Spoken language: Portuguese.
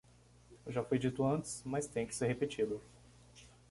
Já foi dito antes, mas tem que ser repetido.